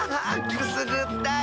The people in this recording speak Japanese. くすぐったい！